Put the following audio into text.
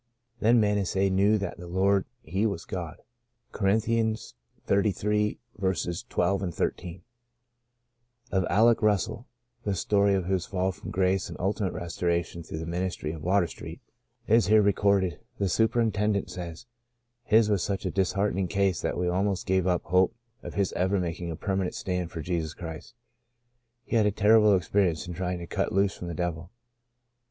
Then Manasseh knew that the Lord He was God." — 2 Chron. xxxiii. 12, ij, OF Alec Russell, the story of whose fall from grace and ultimate restora tion through the ministry of " Water Street *' is here recorded, the superintendent says :" His was such a disheartening case that we almost gave up hope of his ever mak ing a permanent stand for Jesus Christ. He had a terrible experience in trying to cut loose from the devil.